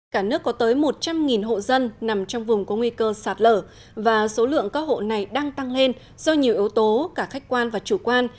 cả nước có tới một trăm linh hộ dân nằm trong vùng có nguy cơ sạt lở và số lượng các hộ này đang tăng lên do nhiều yếu tố cả khách quan và chủ quan